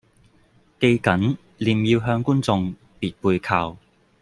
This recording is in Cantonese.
記緊臉要向觀眾別背靠